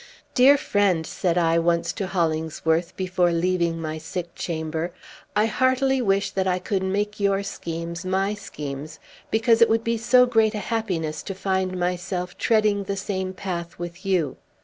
"Dear friend," said I once to Hollingsworth, before leaving my sick chamber, "I heartily wish that I could make your schemes my schemes, because it would be so great a happiness to find myself treading the same path with you.